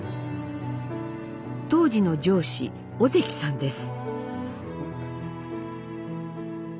当時の上司尾関さんです。